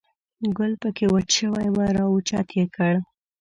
ګل په کې وچ شوی و، را اوچت یې کړ.